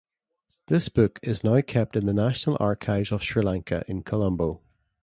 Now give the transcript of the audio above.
This book is now kept in the National Archives of Sri Lanka in Colombo.